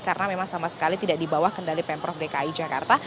karena memang sama sekali tidak dibawah kendali pemprov dki jakarta